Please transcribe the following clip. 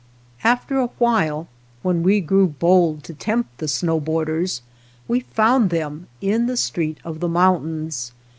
After a while when we grew bold to tempt the snow borders we found them in the street of the mountains.